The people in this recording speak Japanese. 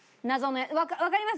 わかります？